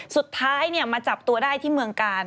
สุดท้ายมาจับตัวได้ที่เมืองกาล